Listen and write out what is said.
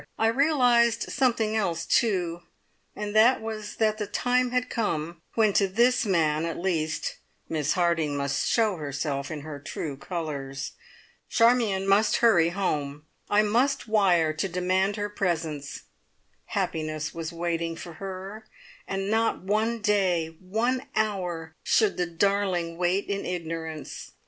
I realised something else, too, and that was that the time had come when to this man, at least, Miss Harding must show herself in her true colours. Charmion must hurry home. I must wire to demand her presence. Happiness was waiting for her, and not one day, one hour, should the darling wait in ignorance.